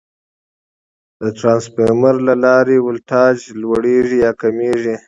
د ترانسفارمر له لارې ولټاژ لوړېږي یا کمېږي.